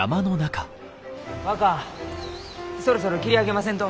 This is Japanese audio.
若そろそろ切り上げませんと。